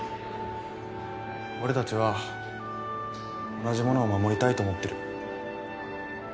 俺たちは同じものを守りたいと思ってる。